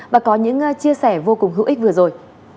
và có những chia sẻ vô cùng hữu ích vừa rồi